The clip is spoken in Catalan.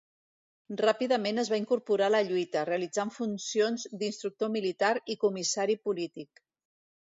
Ràpidament es va incorporar a la lluita, realitzant funcions d'instructor militar i comissari polític.